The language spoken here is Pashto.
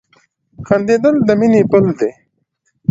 • خندېدل د مینې پل دی.